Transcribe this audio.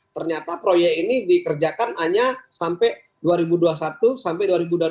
ternyata proyek ini dikerjakan hanya sampai dua ribu dua puluh satu sampai dua ribu dua puluh